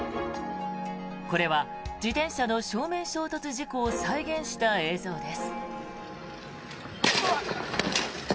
これは自転車の正面衝突事故を再現した映像です。